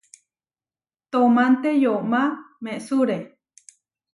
Toomanté yomá mesúre.